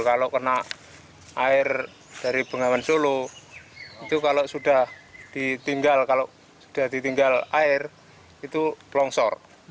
kalau kena air dari bengawan solo itu kalau sudah ditinggal air itu longsor